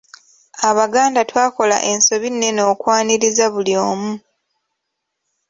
Abaganda twakola ensobi nnene okwaniriza buli omu.